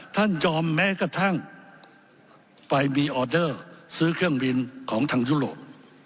ยอมแม้กระทั่งไปมีออเดอร์ซื้อเครื่องบินของทางยุโรป